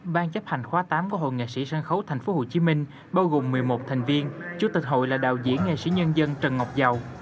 ban chấp hành khóa tám của hội nghệ sĩ sân khấu tp hcm bao gồm một mươi một thành viên chủ tịch hội là đạo diễn nghệ sĩ nhân dân trần ngọc giàu